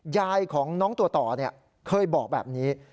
ยายของน้องตัวต่อเคยบอกแบบนี้